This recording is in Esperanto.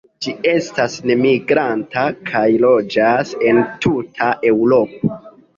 Ĝi estas nemigranta, kaj loĝas en tuta Eŭropo.